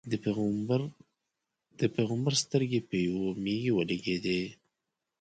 د پېغمبر سترګې په یوې مېږې ولګېدې.